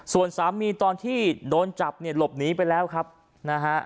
ส่วนสามีตอนที่โดนจับเนี่ยหลบหนีไปแล้วครับนะฮะ